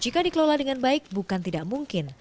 jika dikelola dengan baik bukan tidak mungkin